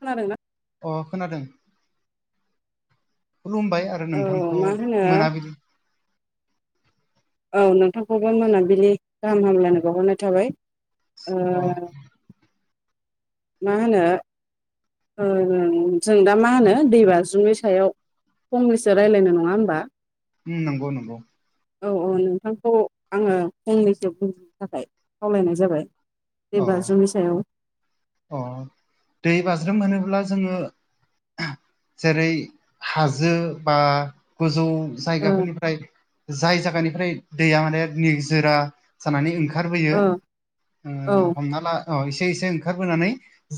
खोनादों ना? अ खोनादों। खुलुमबाय आरो औ नोंथांखौ मा होनो मोनाबिलि औ नोंथांखौबो मोनाबिलि गाहाम हामलायनाय बावहरनाय थाबाय ओ अ मा होनो ओ जों दा माहोनो दै बाज्रुमनि सायाव फंनैसो रायलायनो नङा होमबा उम नंगौ नंगौ औ औ नोंथांखौ आङो फंनैसो बुंग्रोनो थाखाय खावलायनाय जाबाय। अ दै बाज्रुमनि सायाव। अ दै बाज्रुम होनोब्ला जोङो जेरै हाजो बा गोजौ जायगाफोरनिफ्राय जाय जागानिफ्राय दैया माने निजोरा जानानै ओंखारबोयो ओ ओ हमना ला अ एसे एसे ओंखारबोनानै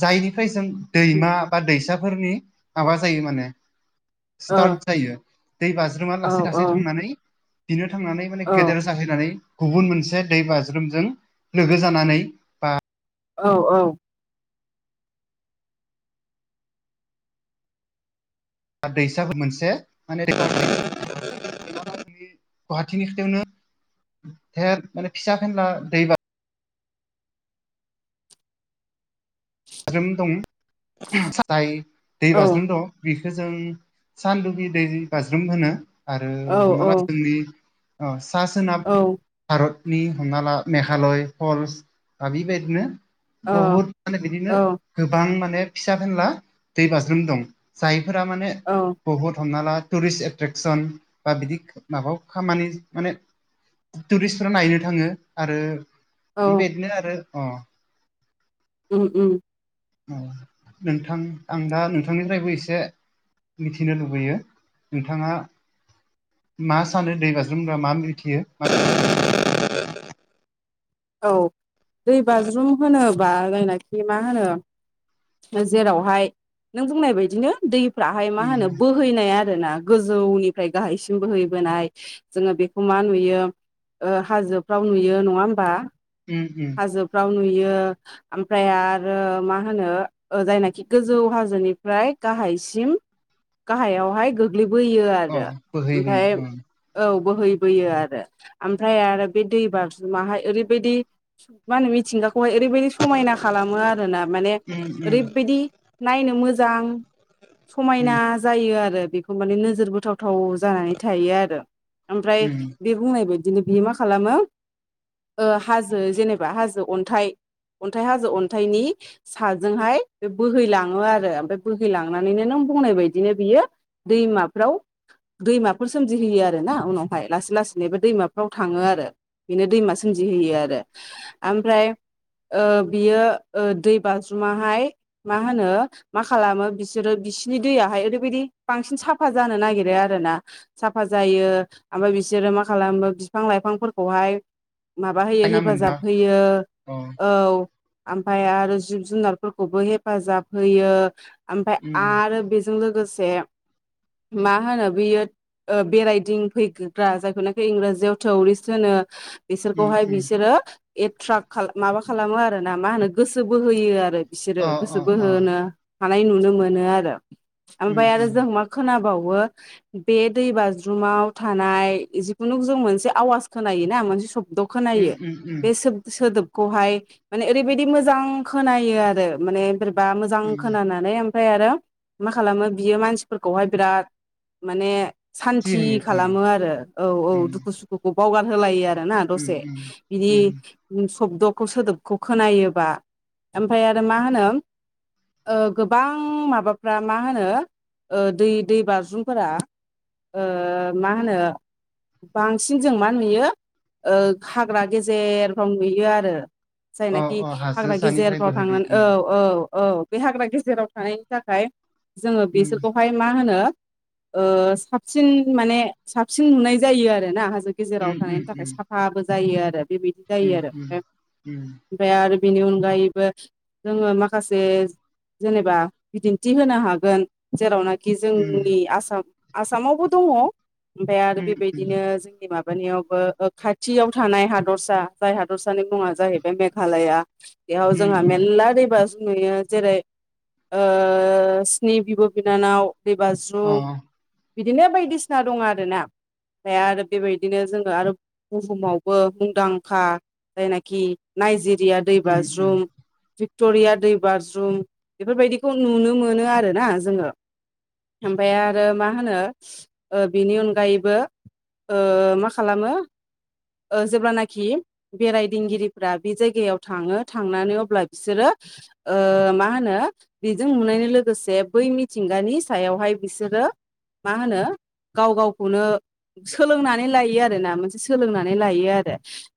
जायनिफ्राय जों दैमा बा दैसाफोरनि माबा जायो माने औ ओ स्टार्ट जायो दै बाज्रुमा औ लासै लासै थांनानै बिनो थांनानै माने गेदेर जाहैनानै गुबुन मोनसे दै बाज्रुमजों लोगो जानानै बा औ औ। आ दैसाखौ मोनसे माने [unintelligible] गुवाहानि खाथियावनो [unintelligible] माने फिसा फेनला दैबा बाज्रुम दं साथाय दै बाज्रुम दं बेखो जों सानदुबि दै बाज्रुम होनो। आरो औ हमना ला जोंनि अ सा सोनाब भारतनि हमनाला मेघालय फल्स दा बेबायदिनो औ बहुत माने बिनो औ गोबां माने फिसा फेनला दै बाज्रुम दं जायफोरा माने औ। बुहुद हमना ला टुरिस्ट एट्रेकसन बा बिदि माबायाव खामानि माने टुरिस्टफ्रा नायनो थाङो आरो औ बेबायदिनो आरो अ उम उम। औ नोंथां आं दा नोंथांनिफ्रायबो एसे मिथिनो लुबैयो। नोंथाङा मा सानो दै बाज्रुमग्रा मा मिथियो [inaudible] औ दै बाज्रुम होनोबा जायनाखि मा होनो जेरावहाय नों बुंनाय बायदिनो दैफ्राहाय मा उम होनो बो बोहैनाय आरो ना गोजौनिफ्राय गाहायसिम बोहैबोनाय जोङो बेखौ मा नुयो ओ हाजोफ्राव नुयो नङा होमबा? उम उम। हाजोफ्राव नुयो ओमफ्राय आरो मा होनो ओ जायनाखि गोजौ हाजोनिफ्राय गाहायसिम गाहायावहाय गोग्लैबोयो औ आरो बोहैबोयो ओमफफ्राय उम औ बोहैबोयो आरो आमफ्राय आरो बे दैबार माहाय ओरै बायदि मा होनो मिथिंगाखौहाय ओैबायदि समायना खालामो आरोना माने उम उम ओरैबायदि नायनो मोजां उम समायना जायो आरो बेखौ माने नोजोर बथावथाव जानानै थायो आरो। ओमफ्राय उम बे बुंनाय बायदिनो बियो मा खालामो ओ हाजो जेनेबा हाजो अन्थाइ अन्थाइ हाजो अन्थाइनि साजोंहाय बे बोहैलाङो आरो ओमफ्राय बोहैलांनानैनो नों बुंनाय बदिनो बियो दैमाफ्राव दैमाफोर सोमजिहोयो आरो ना उनावहाय लासै लासैनोबो दैमाफ्राव थाङो आरो बेनो दैमा सोमजिहोयो आरो। ओमफ्राय ओ बियो ओ दै बाज्रुमाहाय मा होनो मा खालामो बिसोरो बिसिोरनि दैयहाय ओरैबायदि बांसिन साफा जानो नागिरो आरो ना। साफा जायो ओमफ्राय बिसोरो मा खालामो बिफां लाइफांफोरखौहाय माबा होयो बायना मोनदों हेफाजाब होयो अ औ। ओमफाय आरो जिब जुनारफोरखौबो हेफाजाब होयो। ओमफफ्राय उम आरो बेजों लोगोसे मा होनो बेयो ओ बेरायदिंफैगग्रा जायखौनाखि इंराजियाव थौरिस् होनो उम बिसोरखौहाय उम बिसोरो एट्राक्ट माबा खालामो आरो ना मा होनो गोसो बोहोयो आरो। बिसोरो अ अ गोसो अ बोहोनो हानाय नुनो मोनो आरो। उम ओमफ्राय आरो उम जों मा खोनाबावो बे दै बाज्रुमाव थानाय जिखुनु जों मोनसे आवाज खोनायोना मोनसे सब द उम खोनायो उम उम बे सोब-सोदोब खौहाय माने ओरैबायदि मोजां खोनायो आरो माने बोरैबा मोजां उम खोनानानै ओमफ्राय आरो मा खालामो बियो मानसिफोरखौहाय बिराद माने जि सान्ति होयो ओं खालामो आरो औ औ उम दुखु सुखुखौ बावगार होलायो आरोोयना उम दसे उम उम बिदि सब्द'खौ सोदोबखौ खोनायोबा ओमफ्राय आरो मा होनो ओ गोबां माबाफ्रा मा होनो दै दै बाज्रुमफोरा ओ मा होनो बांसिन जों मा नुयो ओ हाग्रा गेजेरफ्राव नुयो आरो अ जायनाखि अ हाजो हाग्रा सानिफ्राय गेजेरफ्राव बोहैबाय थाङोना औ औ औ बे हाग्रा गेजेराव थानायनि थाखाय जोङो उम बिसोरखौहाय मा होनो ओ साबसिन माने साबसिन नुनाय जायो आरोना हाजो उम गेजेराव थानायनि उम थाखाय उम साफाबो जायो आरो बेबायदि जायो उम उम आरो उम ओमफ्राय उम ओमफ्राय आरो बेनि अनगायैबो जोङो माखासे जेनेबा बिदिन्थि होनो हागोन जेरावनाखि उम जोंनि आसाम आसामावबो दङ ओमफ्राय आरो उम उम बेबायदिनो जोंनि माबानियावबो खा थियाव थानाय हादरसा जाय हादरसानि मुङा जाहैबाय मेघालया बेयाव उम जोंहा उम मेरला दै बाज्रुम जों नुयो जेरै ओ स्नि बिब' बिनानाव दै अ बाज्रुम बिदिनो बायदिसिना दङ आरोना ओमफ्राय आरो बेबायदिनो जोङो आरो बुहुमावबो मुंदांखा जायनाखि नायजेरिया दै उम उम बाज्रुम स्टरिया दै बाज्रुम बेफोरबायदिखौ नुनो मोनो आरोना जोङो ओमफ्राय आरो मा होनो बिनि अनगायैबो ओ मा खालामो ओ जेब्लानाखि बेरायदिंगिरिफ्रा बे जायगायाव थाङो थांनानै अब्ला बिसोरो ओ मा होनो बेजों नुनायजों लोगोसे बै मिथिंगानि सायावहाय बिसोरो मा होनो गाव गावखौनो सोलोंनानै लायो आरोना मोनसे सोलोंनानै लायो आरो